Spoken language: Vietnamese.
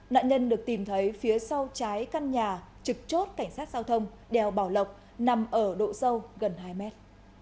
nạn nhân được tìm thấy phía sau trái căn nhà trực chốt cảnh sát giao thông đèo bảo lộc nằm ở độ sâu gần hai mét